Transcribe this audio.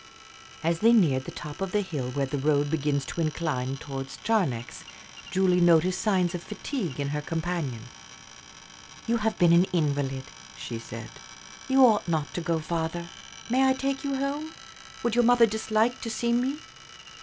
As they neared the top of the hill where the road begins to incline towards Charnex, Julie noticed signs of fatigue in her companion. "You have been an invalid," she said. "You ought not to go farther. May I take you home? Would your mother dislike to see me?"